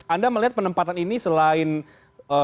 anda melihat penempatan ini selain soal tindakan umum